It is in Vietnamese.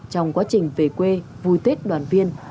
trong quá trình về quê vui tết đoàn viên